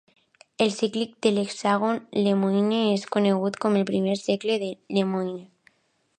El cíclic de l'hexàgon Lemoine és conegut com el primer cercle de Lemoine.